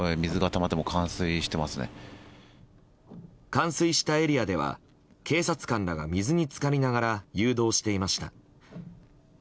冠水したエリアでは警察官らが水に浸かりながら誘導していました。